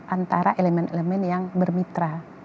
antara elemen elemen yang bermitra